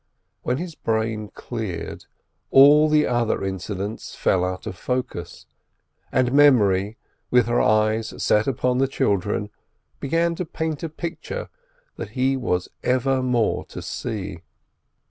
When his brain cleared all the other incidents fell out of focus, and memory, with her eyes set upon the children, began to paint a picture that he was ever more to see.